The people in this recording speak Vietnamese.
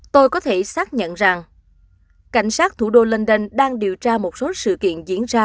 tôi có thể xác nhận rằng cảnh sát thủ đô london đang điều tra một số sự kiện diễn ra